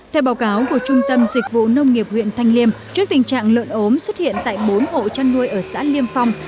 theo báo cáo của trung tâm dịch vụ nông nghiệp huyện thanh liêm trước tình trạng lợn ốm xuất hiện tại bốn hộ chăn nuôi ở xã liêm phong